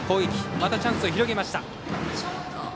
またチャンスを広げました。